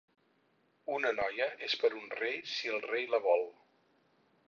Una noia és per a un rei, si el rei la vol.